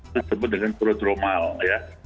disebut dengan krodromal ya